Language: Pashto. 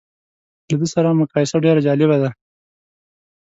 له ده سره مقایسه ډېره جالبه ده.